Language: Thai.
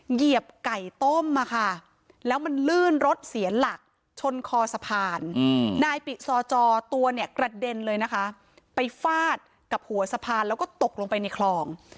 นายปิดซอจอตัวเนี่ยกระเด็นเลยนะคะไปฟาดกับหัวสะพานแล้วก็ตกลงไปในคลอง